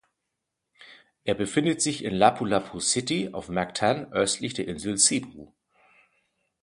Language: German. Er befindet sich in Lapu-Lapu City auf Mactan östlich der Insel Cebu.